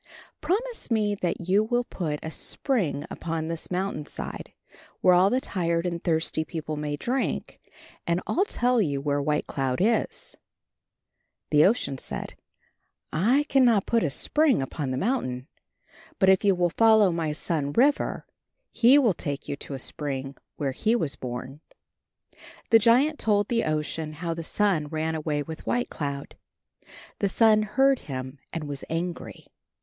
Promise me that you will put a spring upon this mountain side, where all the tired and thirsty people may drink, and I'll tell you where White Cloud is." The Ocean said, "I cannot put a spring upon the mountain, but if you will follow my son, River, he will take you to a spring where he was born." The giant told the Ocean how the Sun ran away with White Cloud. The Sun heard him and was angry.